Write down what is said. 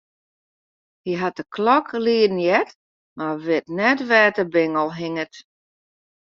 Hy hat de klok lieden heard, mar wit net wêr't de bingel hinget.